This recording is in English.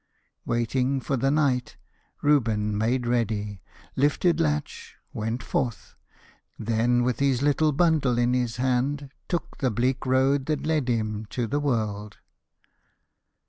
Waiting for the night, Reuben made ready, lifted latch, went forth; Then, with his little bundle in his hand, Took the bleak road that led him to the world.